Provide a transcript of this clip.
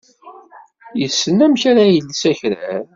Yessen amek ara yelles akrar.